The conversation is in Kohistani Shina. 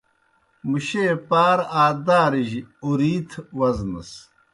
مُشیئے پار آ دارِجیْ اوْرِیتھ وزنَس۔